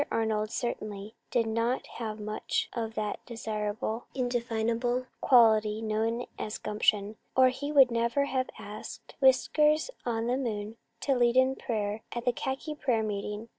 Arnold certainly did not have much of that desirable, indefinable quality known as gumption, or he would never have asked Whiskers on the moon to lead in prayer at a khaki prayer meeting.